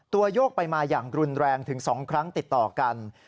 โยกไปมาอย่างรุนแรงถึง๒ครั้งติดต่อกัน